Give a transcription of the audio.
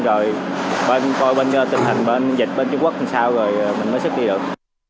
rồi coi bên tân thanh bên dịch bên trung quốc làm sao rồi mình mới sức đi được